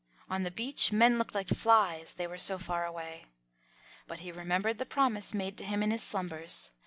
On the beach, men looked like flies, they were so far away. But he remembered the promise made to him in his slumbers.